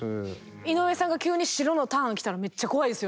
井上さんが急に白のターンが来たらめっちゃ怖いですよね！